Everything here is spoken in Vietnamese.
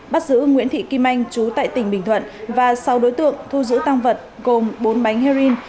bác sứ nguyễn thị kim anh trú tại tỉnh bình thuận và sáu đối tượng thu giữ tăng vật gồm bốn bánh herring